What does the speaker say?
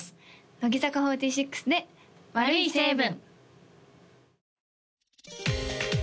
乃木坂４６で「悪い成分」